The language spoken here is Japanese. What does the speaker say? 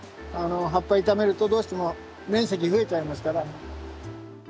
葉っぱ傷めるとどうしても面積増えちゃいますから。